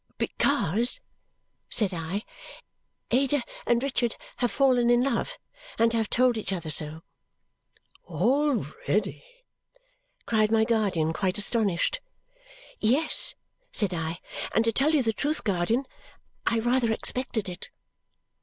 "Because," said I, "Ada and Richard have fallen in love. And have told each other so." "Already!" cried my guardian, quite astonished. "Yes!" said I. "And to tell you the truth, guardian, I rather expected it."